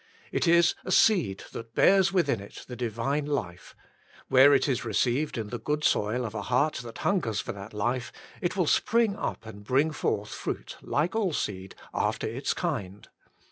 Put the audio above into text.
It is a seed that bears within it the Divine life: where it is received in the good soil of a heart that hun gers for that life, it will spring up and bring forth fruit, like all seed, " after its kind.''